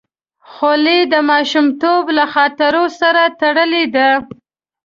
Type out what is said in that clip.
خولۍ د ماشومتوب له خاطرو سره تړلې ده.